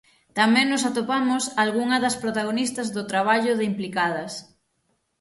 Tamén nos atopamos algunha das protagonistas do traballo de Implicadas.